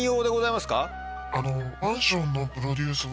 えっ⁉マンションのプロデュース！